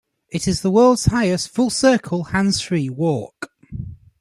It is the world's highest full-circle, hands-free walk.